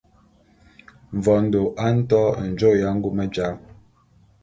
Mvondo a nto njôô ya ngume jal.